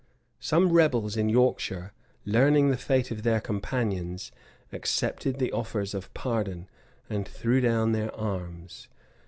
Some rebels in Yorkshire, learning the fate of their companions, accepted the offers of pardon, and threw down their arms.